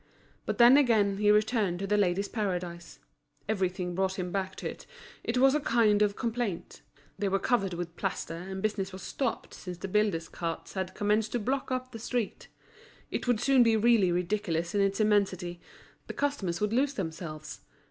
But then again he returned to The Ladies' Paradise; everything brought him back to it, it was a kind of complaint. They were covered with plaster, and business was stopped since the builders' carts had commenced to block up the street. It would soon be really ridiculous in its immensity; the customers would lose themselves.